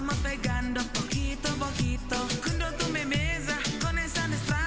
jadi ini promosi di ceritanya